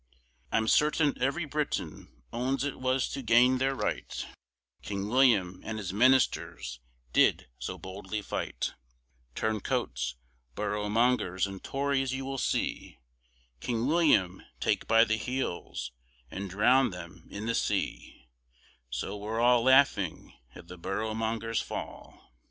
I'm certain every Briton owns it was to gain their right King William and his Ministers did so boldly fight; Turn coats, Boroughmongers and Tories you will see King William take by the heels and drown them in the sea So we're all laughing at the Boroughmongers fall.